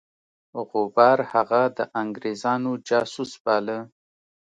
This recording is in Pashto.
غبار هغه د انګرېزانو جاسوس باله.